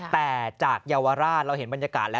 แต่จากเยาวราชเราเห็นบรรยากาศแล้ว